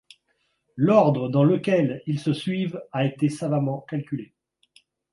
L’ordre dans lequel ils se suivent a été savamment calculé.